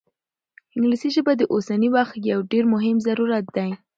انګلیسي ژبه د اوسني وخت یو ډېر مهم ضرورت دی.